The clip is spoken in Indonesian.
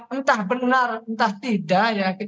entah benar entah tidak